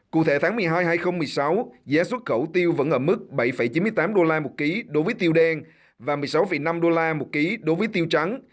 cụ thể tháng một mươi hai hai nghìn một mươi sáu giá xuất khẩu tiêu vẫn ở mức bảy chín mươi tám đô la một ký đối với tiêu đen và một mươi sáu năm đô la một ký đối với tiêu trắng